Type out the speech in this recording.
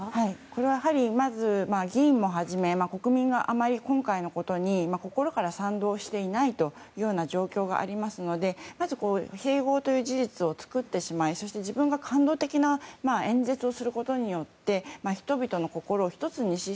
これはやはり議員もはじめ、国民があまり今回のことに心から賛同していないという状況がありますのでまず併合という事実を作ってしまいそして自分が感動的な演説をすることによって人々の心を１つにする。